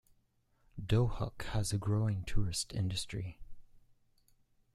Dohuk has a growing tourist industry.